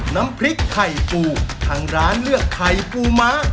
น้ำพริกไข่ปูทางร้านเลือกไข่ปูม้า